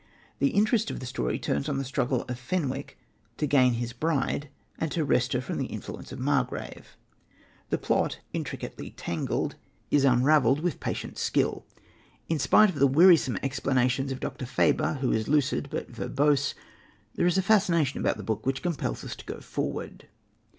The interest of the story turns on the struggle of Fenwick to gain his bride, and to wrest her from the influence of Margrave. The plot, intricately tangled, is unravelled with patient skill. In spite of the wearisome explanations of Dr. Faber, who is lucid but verbose, there is a fascination about the book which compels us to go forward.